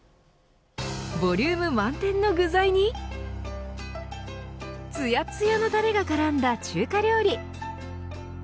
ボリューム満点の具材につやつやのタレが絡んだ中華料理。